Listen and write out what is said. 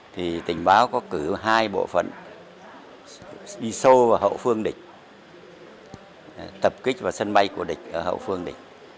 thì tình báo có cử hai bộ phận đi sâu vào hậu phương địch tập kích vào sân bay của địch ở hậu phương địch